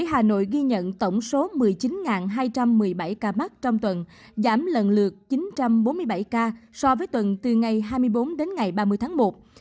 hà nội ghi nhận tổng số một mươi chín hai trăm một mươi bảy ca mắc trong tuần giảm lần lượt chín trăm bốn mươi bảy ca so với tuần từ ngày hai mươi bốn đến ngày ba mươi tháng một